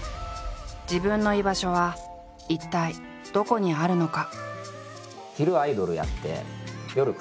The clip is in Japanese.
「自分の居場所は一体どこにあるのか？」。